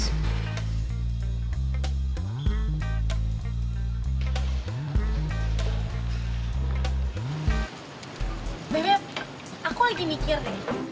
bebe aku lagi mikir deh